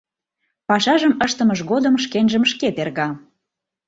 Пашажым ыштымыж годым шкенжым шке терга.